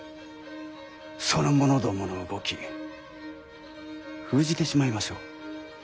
その者どもの動き封じてしまいましょう。